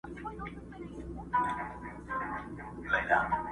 پېړۍ قرنونه کیږي،